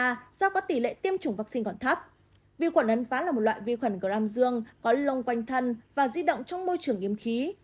uấn ván là một loại vi khuẩn gram dương có lông quanh thân và di động trong môi trường yếm khí